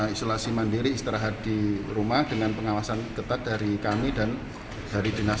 isolasi mandiri istirahat di rumah dengan pengawasan ketat dari kami dan dari dinas